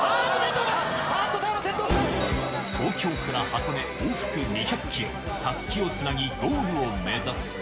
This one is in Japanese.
ああっと、東京から箱根、往復２００キロ、たすきをつなぎ、ゴールを目指す。